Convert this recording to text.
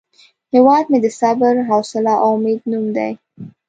هیواد مې د صبر، حوصله او امید نوم دی